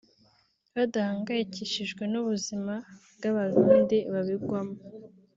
badahangayikishijwe n’ubuzima bw’Abarundi babigwamo